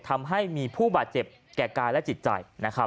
ทำให้มีผู้บาดเจ็บแก่กายและจิตใจนะครับ